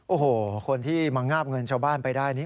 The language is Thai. โอ้โหคนที่มางาบเงินชาวบ้านไปได้นี่